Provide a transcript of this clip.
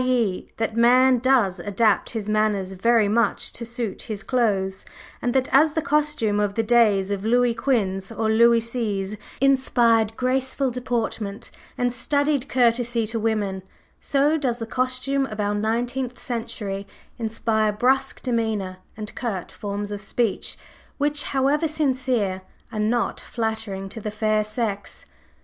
e._ that man does adapt his manners very much to suit his clothes; and that as the costume of the days of Louis Quinze or Louis Seize inspired graceful deportment and studied courtesy to women, so does the costume of our nineteenth century inspire brusque demeanor and curt forms of speech, which, however sincere, are not flattering to the fair sex.